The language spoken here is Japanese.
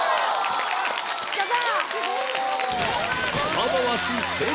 やった！